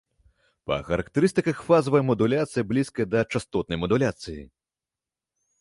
Па характарыстыках фазавая мадуляцыя блізкая да частотнай мадуляцыі.